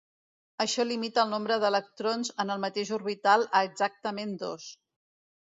Això limita el nombre d'electrons en el mateix orbital a exactament dos.